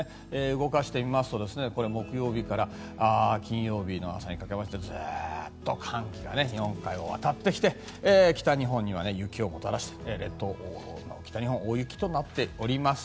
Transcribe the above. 動かしてみますと木曜日から金曜日の朝にかけてずっと寒気が日本海を渡ってきて北日本には雪をもたらして北日本は大雪となっております。